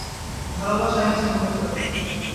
ভালোবাসায় আমি যে মরতে পারি।